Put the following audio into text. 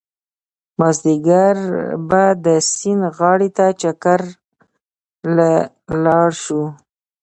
مازيګر به د سيند غاړې ته چکر له لاړ شو